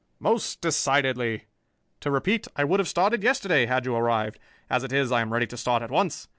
"Most decidedly. To repeat, I would have started yesterday, had you arrived. As it is, I am ready to start at once.